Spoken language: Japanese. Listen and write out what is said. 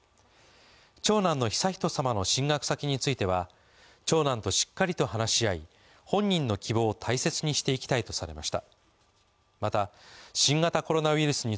長男の悠仁さまの進学先については長男としっかりと話し合い、本人の希望を大切にしていきたいとされました。